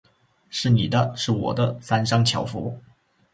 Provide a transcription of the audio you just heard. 是你的；是我的，三商巧福。